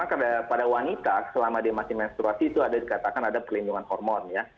karena pada wanita selama dia masih menstruasi itu ada dikatakan ada pelindungan hormon ya